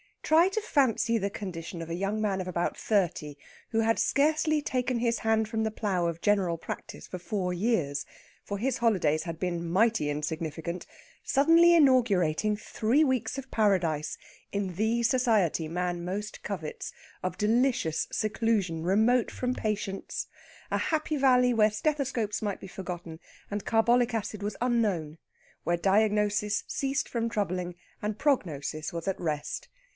Try to fancy the condition of a young man of about thirty, who had scarcely taken his hand from the plough of general practice for four years for his holidays had been mighty insignificant suddenly inaugurating three weeks of paradise in the society man most covets of delicious seclusion remote from patients, a happy valley where stethoscopes might be forgotten, and carbolic acid was unknown, where diagnosis ceased from troubling, and prognosis was at rest.